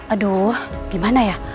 aduh gimana ya